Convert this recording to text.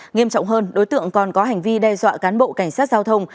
nghiêm trọng hơn đối tượng còn có hành vi đe dọa cán bộ cảnh sát giao thông